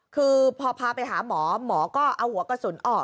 คือพอพาไปหาหมอหมอก็เอาหัวกระสุนออก